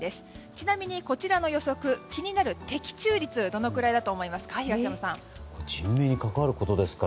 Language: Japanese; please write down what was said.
ちなみに、こちらの予測気になる的中率はどのくらいだと思いますか。